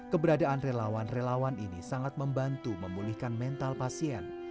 keberadaan relawan relawan ini sangat membantu memulihkan mental pasien